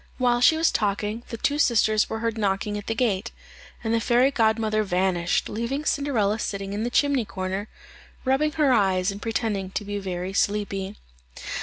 While she was talking, the two sisters were heard knocking at the gate, and the fairy godmother vanished, leaving Cinderella sitting in the chimney corner, rubbing her eyes and pretending to be very sleepy.